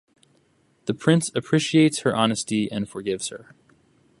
The Prince appreciates her honesty and forgives her.